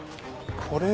これ。